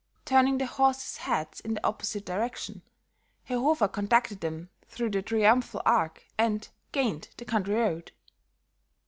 Turning the horses' heads in the opposite direction, Herr Hofer conducted them through the Triumphal Arch and gained the country road.